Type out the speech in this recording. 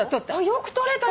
よく撮れたね。